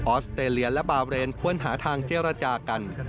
อสเตรเลียและบาเรนควรหาทางเจรจากัน